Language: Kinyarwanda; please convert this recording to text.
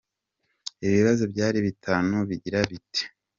Ibibazo byari bitanu bigira biti :.